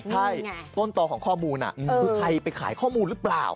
ใช่ต้นต่อของข้อมูลคือใครไปขายข้อมูลหรือเปล่า